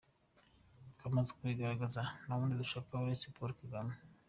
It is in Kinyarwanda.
Twamaze kubigaragaza nta wundi dushaka uretse Paul Kagame”.